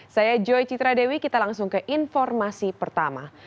saya joy citradewi kita langsung ke informasi pertama